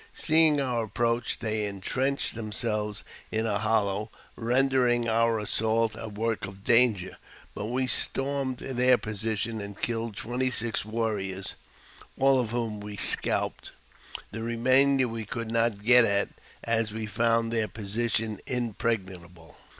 Seeing our approach, they in ^B trenched themselves in a hollow, rendering our assault a work ■ of danger. But w^e stormed their position, and killed twenty six warriors (all of whom we scalped) ; the remainder we could not get at, as we found their position impregnable.